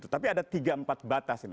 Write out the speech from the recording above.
tapi ada tiga empat batas ini